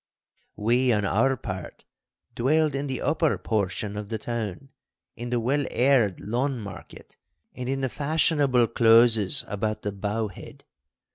We, on our part, dwelled in the upper portion of the town, in the well aired Lawnmarket and in the fashionable closes about the Bow head.